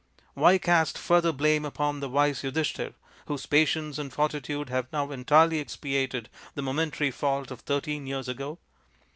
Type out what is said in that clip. Why cast further blame upon the wise Yudhishthir, whose patience and fortitude have now entirely expiated the momentary fault of thirteen years ago?